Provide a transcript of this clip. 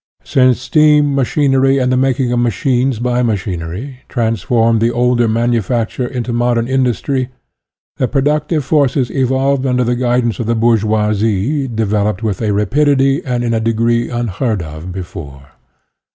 Since steam, machinery, and the making of machines by machinery trans formed the older manufacture into modern industry, the productive forces evolved under the guidance of the bourgeoisie de veloped with a rapidity and in a degree unheard of before.